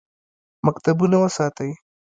مکتبونه وساتئ